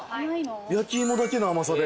焼き芋だけの甘さで。